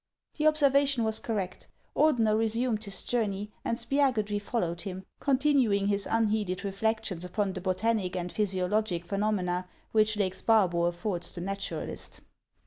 The observation was correct. Ordener resumed his jour ney, and Spiagudry followed him, continuing his unheeded reflections upon the botanic and physiologic phenomena which Lake Sparbo affords the naturalist.